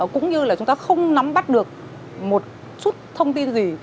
cũng như là chúng ta không nắm bắt được một chút thông tin gì